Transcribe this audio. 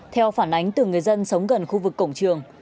theo phản ánh từ người dân sống gần khu vực cổng trường